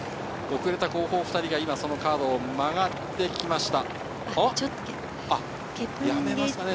遅れた後方２人がカーブを曲がってきました。